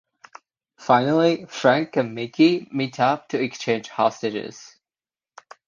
Finally Frank and Mickey meet up to exchange hostages.